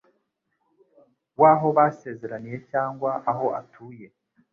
w'aho basezeraniye cyangwa aho atuye,